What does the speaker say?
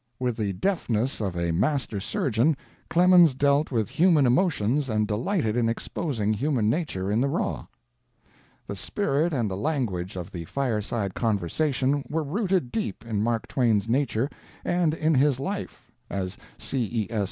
With the deftness of a master surgeon Clemens dealt with human emotions and delighted in exposing human nature in the raw. The spirit and the language of the Fireside Conversation were rooted deep in Mark Twain's nature and in his life, as C. E. S.